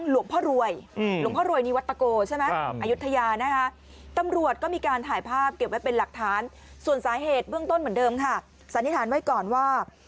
เหตุเบื้องต้นเหมือนเดิมค่ะสันนิษฐานไว้ก่อนว่า